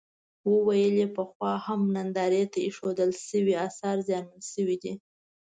وویل چې پخوا هم نندارې ته اېښودل شوي اثار زیانمن شوي دي.